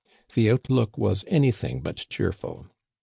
The outlook was anything but cheerful.